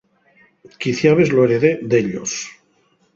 Quiciabes lo heredé d'ellos.